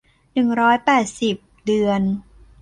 หนึ่งร้อยแปดสิบ เดือน